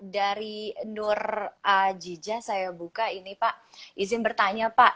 dari nur ajijah saya buka ini pak izin bertanya pak